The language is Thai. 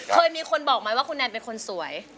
เค้มีคนบอกมั้ยคุณแนนเป็นคนสวย